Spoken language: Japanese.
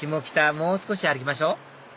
もう少し歩きましょ